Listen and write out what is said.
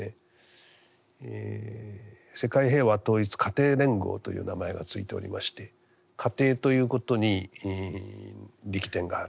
世界平和統一家庭連合という名前が付いておりまして家庭ということに力点がある。